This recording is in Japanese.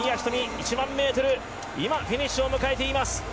１００００ｍ今フィニッシュを迎えています。